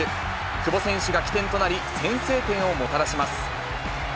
久保選手が起点となり、先制点をもたらします。